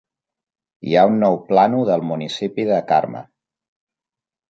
Hi ha un nou plànol del municipi de Carme.